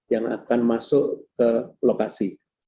yang akan masuk ke lokasi